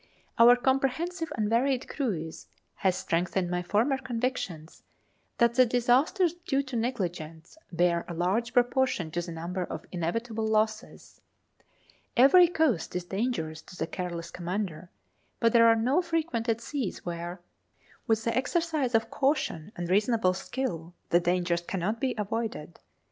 Our comprehensive and varied cruise has strengthened my former convictions that the disasters due to negligence bear a large proportion to the number of inevitable losses. Every coast is dangerous to the careless commander; but there are no frequented seas where, with the exercise of caution and reasonable skill, the dangers cannot be avoided.